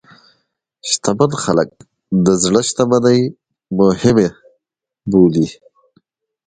شتمن خلک د زړه شتمني مهمه بولي.